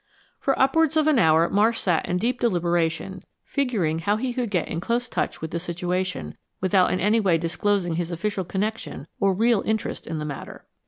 For upwards of an hour Marsh sat in deep deliberation, figuring how he could get in close touch with the situation without in any way disclosing his official connection or real interest in the matter.